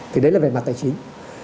thì đấy là về mặt tài chính